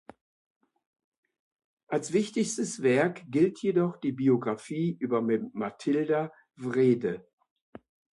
Als wichtigstes Werk gilt jedoch die Biografie über Mathilda Wrede.